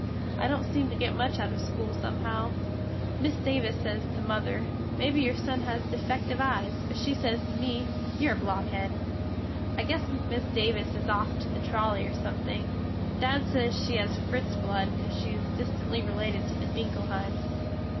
I dont seem to get much out of school somehow. Miss Davis sez to mother, Mebbe your son has deefective eyes but she sez to me, You are a blockhed. I guess miss Davis is off the trolly or something, Dad sez she has Fritz blood because she is distently related to the Dinkelheims.